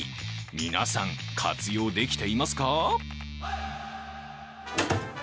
皆さん、活用できていますか？